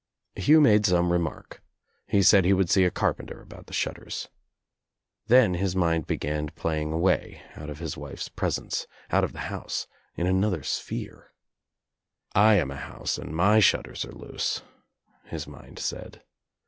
Hugh made some remark. He said he would see a carpenter about the shutters. Then his mind began playing away, out of his wife's presence, out of the house, in another sphere. "I am a house and my shutters are loose," his mind said.